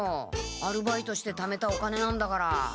アルバイトしてためたお金なんだから。